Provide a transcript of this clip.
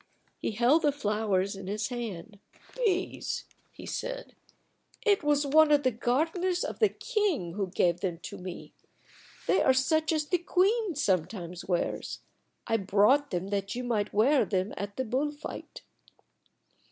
He held the flowers in his hand. "These!" he said. "It was one of the gardeners of the king who gave them to me. They are such as the queen sometimes wears. I brought them that you might wear them at the bull fight."